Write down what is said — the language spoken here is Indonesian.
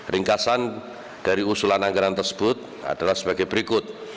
ringkasan dari usulan anggaran tersebut adalah sebagai berikut